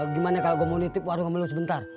gimana kalau gue mau nitip warung kamu sebentar